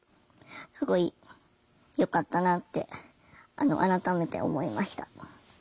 すごいよかったなって改めて思いました。